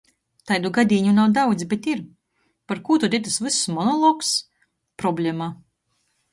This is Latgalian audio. Taidu gadīņu nav daudz, bet ir. Par kū tod itys vyss monologs? Problema.